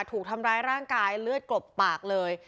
ถูกทำร้ายร่างกายเลือดกลบปากเลย